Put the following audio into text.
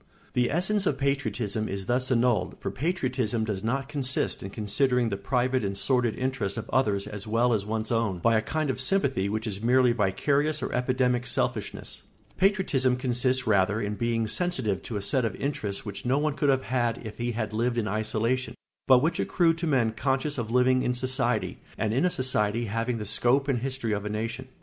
] The essence of patriotism is thus annulled, for patriotism does not consist in considering the private and sordid interests of others as well as one's own, by a kind of sympathy which is merely vicarious or epidemic selfishness; patriotism consists rather in being sensitive to a set of interests which no one could have had if he had lived in isolation, but which accrue to men conscious of living in society, and in a society having the scope and history of a nation.